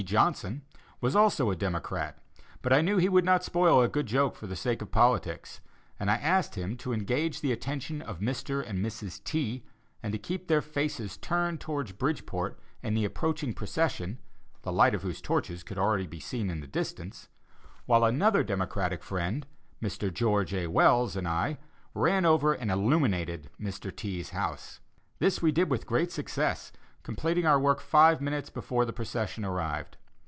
Johnson, was also a Democrat, but I knew he would not spoil a good joke for the sake of politics, and I asked him to engage the attention of Mr. and Mrs. T., and to keep their faces turned towards Bridgeport and the approaching procession, the light of whose torches could already be seen in the distance, while another Democratic friend, Mr. George A. Wells, and I, ran over and illuminated Mr T.'s house. This we did with great success, completing our work five minutes before the procession arrived.